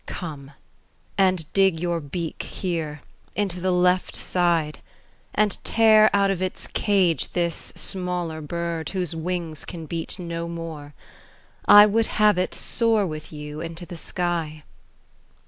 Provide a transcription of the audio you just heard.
Come, and dig your beak here, into the left side. And tear out of its cage this smaller bird. Whose wings can beat no more : I would have it soar with you into the sky.